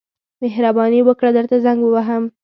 مهرباني وکړه درته زنګ ووهم.